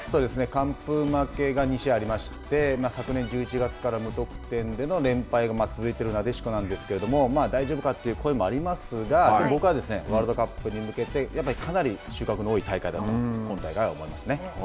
完封負けが２試合ありまして、昨年１１月から無得点での連敗が続いているなでしこなんですけど、大丈夫か？という声もありますがでも、僕はワールドカップに向けてやっぱりかなり収穫の多い大会だったと今大会思いますね。